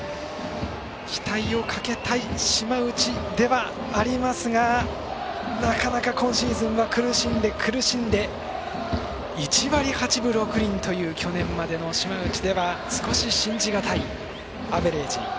期待をかけたい島内ではありますがなかなか、今シーズンは苦しんで苦しんで１割８分６厘という去年までの島内では少し信じ難いアベレージ。